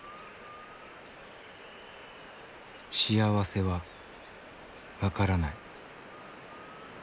「幸せは分からない」。